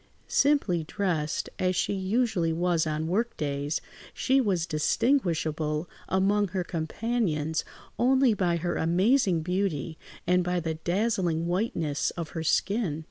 Simply dressed, as she usually was on work days, she was distinguishable among her companions only by her amazing beauty and by the dazzling whiteness of her skin.